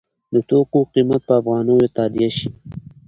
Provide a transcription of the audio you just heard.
د توکو قیمت په افغانیو تادیه شي.